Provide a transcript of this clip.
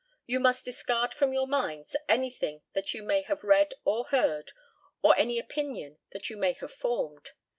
You must discard from your minds anything that you may have read or heard, or any opinion that you may have formed.